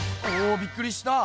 びっくりした。